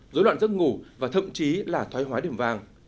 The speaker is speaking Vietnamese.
dối loạn giấc ngủ và thậm chí là thoái hóa điểm vàng